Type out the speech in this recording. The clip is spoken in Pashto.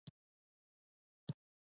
د عقلمن انسان د بریا راز د ژبې کارونه ده.